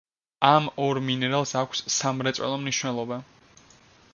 ამ ორ მინერალს აქვს სამრეწველო მნიშვნელობა.